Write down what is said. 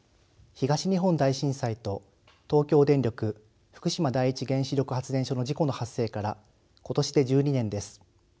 東日本大震災と東京電力福島第一原子力発電所の事故の発生から今年で１２年です。